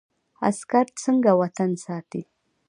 عسکر څنګه وطن ساتي؟